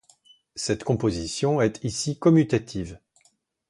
Cette composition est ici commutative.